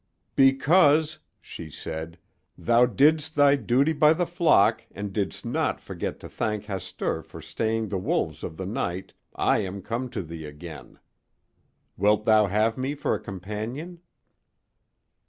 "Because," she said, "thou didst thy duty by the flock, and didst not forget to thank Hastur for staying the wolves of the night, I am come to thee again. Wilt thou have me for a companion?"